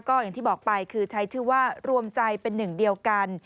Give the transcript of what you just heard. ก็อย่างที่บอกไปคือใช้ชื่อว่ารวมใจเป็นหนึ่งเดียวกัน